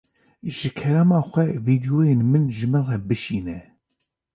Ji kerema xwe vîdyoyên min ji min re bişîne.